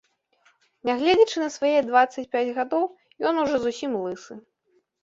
Нягледзячы на свае дваццаць пяць гадоў, ён ужо зусім лысы.